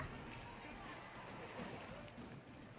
pak ya apa pak toko nya pak